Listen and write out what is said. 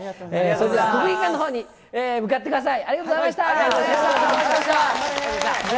それでは国技館のほうに向かってください。